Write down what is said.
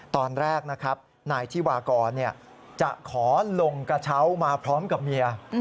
ตอนแรกนะครับนายธิวากรจะขอลงกระเช้ามาพร้อมกับเมีย